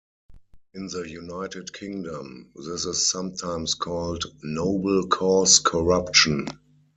In the United Kingdom, this is sometimes called 'Noble Cause Corruption'.